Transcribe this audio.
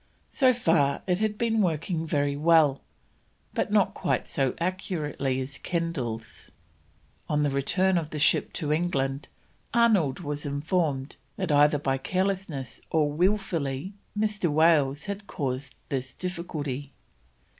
So far it had been working very well, but not quite so accurately as Kendal's. On the return of the ship to England, Arnold was informed that either by carelessness or wilfully Mr. Wales had caused this difficulty.